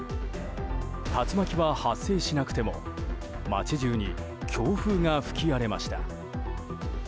竜巻は発生しなくても街中に強風が吹き荒れました。